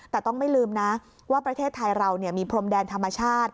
แต่ต้องไม่ลืมนะว่าประเทศไทยเรามีพรมแดนธรรมชาติ